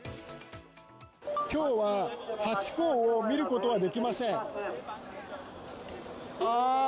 きょうはハチ公を見ることはできません。